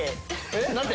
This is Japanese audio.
何て？